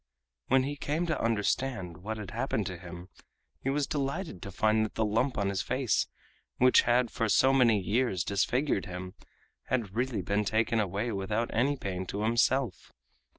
When he came to understand what had happened to him, he was delighted to find that the lump on his face, which had for so many years disfigured him, had really been taken away without any pain to himself.